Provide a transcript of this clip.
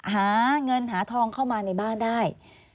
หาเงินหาทองเข้ามาในบ้านได้